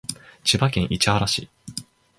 千葉県市原市